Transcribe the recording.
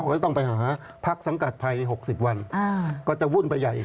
ก็ต้องไปหาพักสังกัดภัย๖๐วันก็จะวุ่นไปใหญ่